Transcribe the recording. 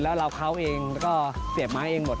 แล้วเราเขาเองก็เสียบไม้เองหมด